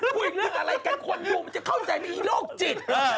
คุยเรื่องอะไรกันคนผูมจะเข้าใส่ในโลกจิต